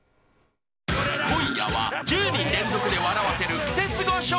今夜は、１０人連続で笑わせるクセスゴ笑